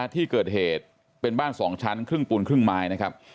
ที่เกิดเหตุเป็นบ้าน๒ชั้นครึ่งปูนครึ่งไม้นะครับ